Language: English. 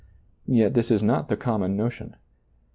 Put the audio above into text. Yet this is not the com mon notion.